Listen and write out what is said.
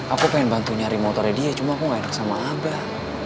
aku pengen bantu nyari motornya dia cuma aku gak enak sama abah